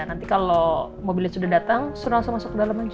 nanti kalau mobilnya sudah datang sudah langsung masuk ke dalam lagi